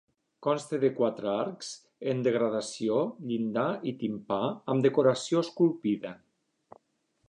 Consta de quatre arcs en degradació, llinda i timpà amb decoració esculpida.